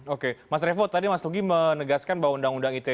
oke mas revo tadi mas nugi menegaskan bahwa undang undang ite